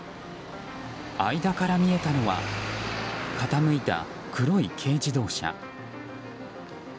間から見えたのは傾いた黒い軽自動車。